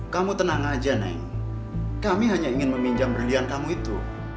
kamu tenang aja neng kami hanya ingin meminjam brilian kamu itu